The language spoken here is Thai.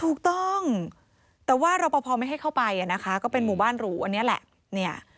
ถูกต้องแต่ว่ารอปภไม่ให้เข้าไปอ่ะนะคะก็เป็นหมู่บ้านหรูอันนี้แหละเนี่ย